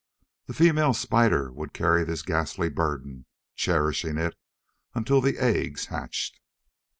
The female spider would carry this ghastly burden cherishing it until the eggs hatched.